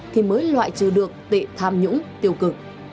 thì mới loại trừ được tệ tham nhũng tiêu cực